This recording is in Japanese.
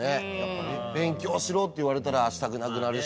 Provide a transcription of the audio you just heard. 勉強しろって言われたらしたくなくなるし。